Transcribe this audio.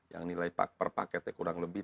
yang nilai per paketnya kurang lebih tiga ratus